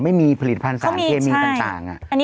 ไม่มีผลิตภัณฑ์สารเคมีต่าง